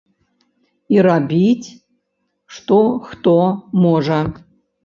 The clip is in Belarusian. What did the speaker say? І рабіць што хто можа.